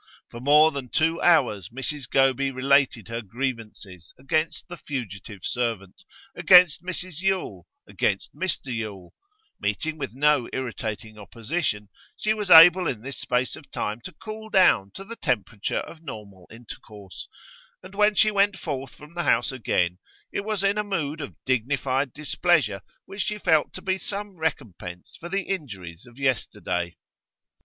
For more than two hours Mrs Goby related her grievances, against the fugitive servant, against Mrs Yule, against Mr Yule; meeting with no irritating opposition, she was able in this space of time to cool down to the temperature of normal intercourse, and when she went forth from the house again it was in a mood of dignified displeasure which she felt to be some recompense for the injuries of yesterday.